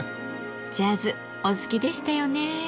ジャズお好きでしたよね。